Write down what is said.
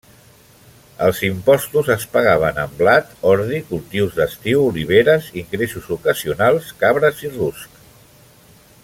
Els impostos es pagaven amb blat, ordi, cultius d'estiu, oliveres, ingressos ocasionals, cabres i ruscs.